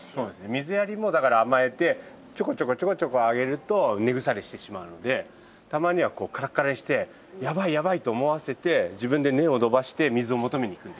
水やりもだから甘えてちょこちょこちょこちょこあげると根腐れしてしまうのでたまにはカラカラにしてやばいやばいと思わせて自分で根を伸ばして水を求めにいくので。